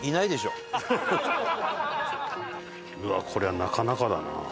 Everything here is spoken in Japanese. うわあこりゃなかなかだな。